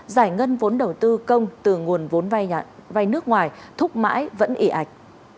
giải ngân vốn đầu tư công từ nguồn vốn vai nước ngoài thúc mãi vẫn ị ạch